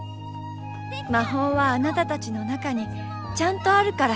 魔法はあなたたちの中にちゃんとあるから。